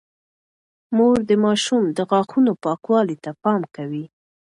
مور د ماشوم د غاښونو پاکوالي ته پام کوي۔